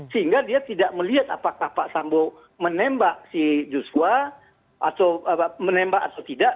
sehingga dia tidak melihat apakah pak sambo menembak si joshua atau menembak atau tidak